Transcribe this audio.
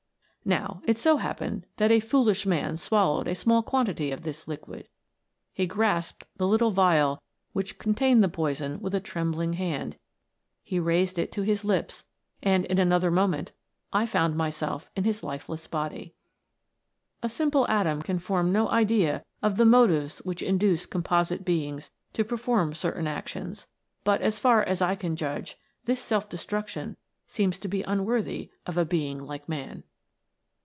t Now, it so hap pened that a foolish man swallowed a small quan tity of this liquid. He grasped the little phial which contained the poison with a trembling hand, he raised it to his lips, and in another moment I found myself in his lifeless body. A simple atom can * Champagne. + Prussic Acid. 64 THE LIFE OF AN ATOM. form no idea of the motives which induce composite beings to perform certain actions, but as far as I can judge, this self destruction seems to be unworthy of a being like man.